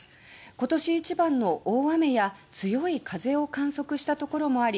今年一番の大雨や強い風を観測したところもあり